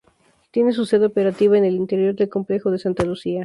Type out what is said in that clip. Tiene su sede operativa en el interior del complejo de Santa Lucía.